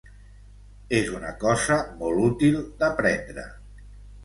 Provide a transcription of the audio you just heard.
És una cosa molt útil d'aprendre.